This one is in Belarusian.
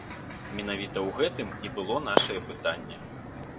Менавіта ў гэтым і было нашае пытанне.